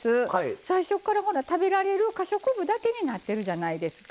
最初から食べられる可食部だけになってるじゃないですか。